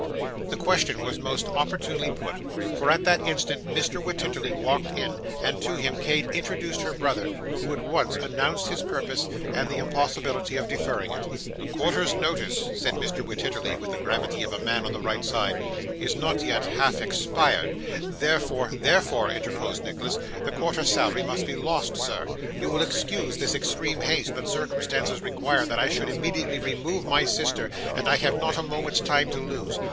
This question was most opportunely put, for at that instant Mr Wititterly walked in, and to him Kate introduced her brother, who at once announced his purpose, and the impossibility of deferring it. 'The quarter's notice,' said Mr. Wititterly, with the gravity of a man on the right side, 'is not yet half expired. Therefore ' 'Therefore,' interposed Nicholas, 'the quarter's salary must be lost, sir. You will excuse this extreme haste, but circumstances require that I should immediately remove my sister, and I have not a moment's time to lose.